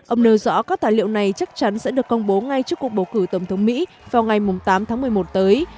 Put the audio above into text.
ông nêu rõ các tài liệu này chắc chắn sẽ được công bố ngay trước cuộc bầu cử tổng thống mỹ vào ngày tám tháng một mươi một tới